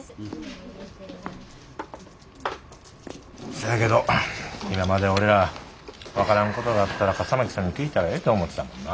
せやけど今まで俺ら分からんことがあったら笠巻さんに聞いたらええと思ってたもんな。